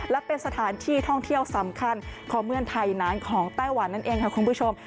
และเป็นสถานที่ท่องเที่ยวสำคัญของเมืองไทยนั้นของไต้หวันนั่นเองค่ะคุณผู้ชม